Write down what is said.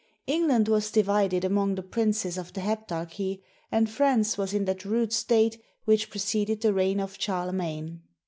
England was divided among the princes of the Heptarchy, and France was in that rude state which preceded the reign of Charlemagne.